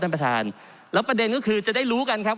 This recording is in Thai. ท่านประธานแล้วประเด็นก็คือจะได้รู้กันครับ